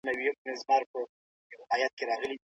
څېړونکی د خپل کار پایلي ټولني ته وړاندي کوي.